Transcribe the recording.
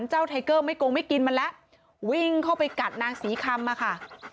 ไทเกอร์ไม่กงไม่กินมันแล้ววิ่งเข้าไปกัดนางศรีคำมาค่ะ